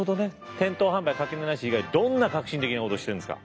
店頭販売掛値なし以外どんな革新的なことしてるんですか？